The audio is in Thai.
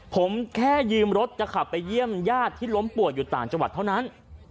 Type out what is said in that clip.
ผมแค่ยืมรถจะขับไปเยี่ยมญาติที่ล้มป่วยอยู่ต่างจังหวัดเท่านั้น